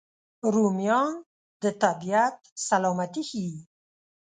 رومیان د طبیعت سلامتي ښيي